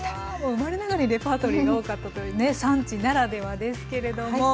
生まれながらにレパートリーが多かったというね産地ならではですけれども。